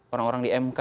orang orang di mk